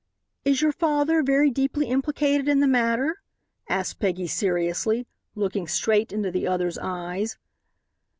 "Is your father very deeply implicated in the matter?" asked Peggy seriously, looking straight into the other's eyes.